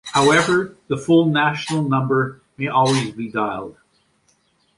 However, the "Full National Number" "may" always be dialled.